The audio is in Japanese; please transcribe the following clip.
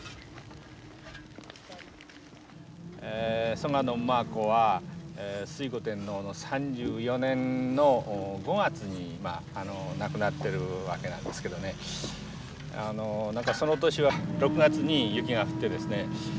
蘇我馬子は推古天皇の３４年の５月に亡くなってるわけなんですけどね何かその年は６月に雪が降ってですね